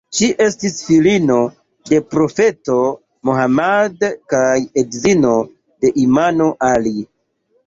Ŝi estis filino de profeto Mohammad kaj edzino de imamo Ali.